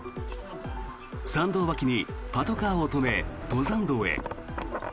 参道脇にパトカーを止め登山道へ。